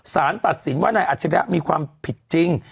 สารตัดสินว่านายอัจฉริยะมีความผิดจริง